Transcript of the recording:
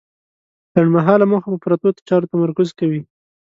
لنډمهاله موخه په پرتو چارو تمرکز کوي.